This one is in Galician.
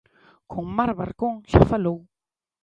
Con Mar Barcón xa falou.